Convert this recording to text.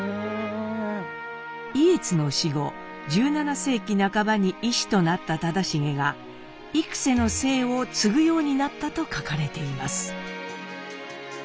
意悦の死後１７世紀半ばに医師となった忠茂が「幾」の姓を継ぐようになったと書かれています。